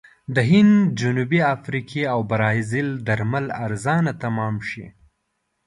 د هند، جنوبي افریقې او برازیل درمل ارزانه تمام شي.